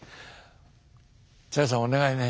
お願いね」。